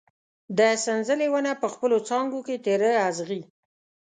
د سنځلې ونه په خپلو څانګو کې تېره اغزي